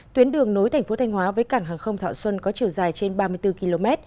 tuyến đường nối thành phố thanh hóa với cảng hàng không thọ xuân có chiều dài trên ba mươi bốn km